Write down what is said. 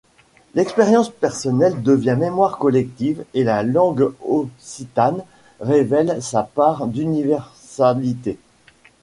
L'expérience personnelle devient mémoire collective et la langue occitane révèle sa part d'universalité.